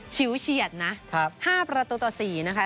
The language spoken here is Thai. ชิวเฉียดนะ๕ประตูต่อ๔นะคะ